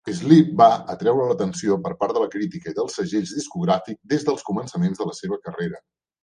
Sleep va atreure l'atenció per part de la crítica i dels segells discogràfics des dels començaments de la seva carrera.